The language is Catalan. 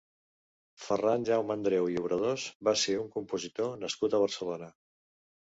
Ferran Jaumeandreu i Obradors va ser un compositor nascut a Barcelona.